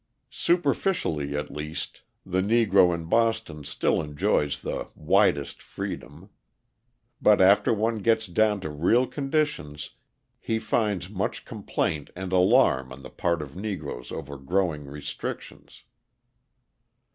Superficially, at least, the Negro in Boston still enjoys the widest freedom; but after one gets down to real conditions he finds much complaint and alarm on the part of Negroes over growing restrictions.